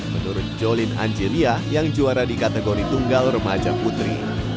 menurut jolin angelia yang juara di kategori tunggal remaja putri